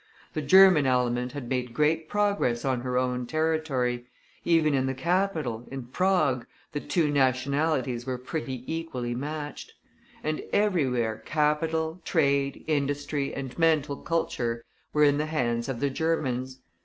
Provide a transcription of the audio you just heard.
The German element had made great progress on her own territory; even in the capital, in Prague, the two nationalities were pretty equally matched; and everywhere capital, trade, industry, and mental culture were in the hands of the Germans.